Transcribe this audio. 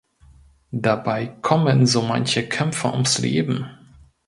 Dabei kommen so manche Kämpfer ums Leben.